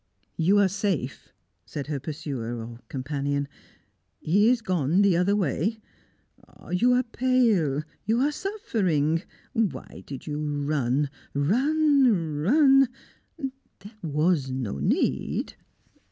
"You are safe," said her pursuer, or companion. "He is gone the other way. Ah! you are pale! You are suffering! Why did you run run run? There was no need."